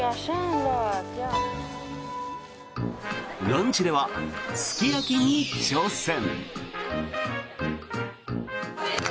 ランチではすき焼きに挑戦。